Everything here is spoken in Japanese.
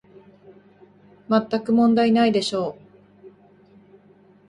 まったく問題ないでしょう